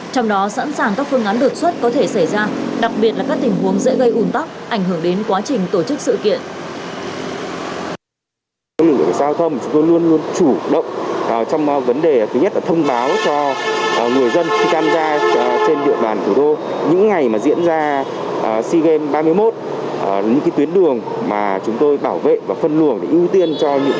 trong đó sẵn sàng các phương án đột xuất có thể xảy ra đặc biệt là các tình huống dễ gây ủn tóc ảnh hưởng đến quá trình tổ chức sự kiện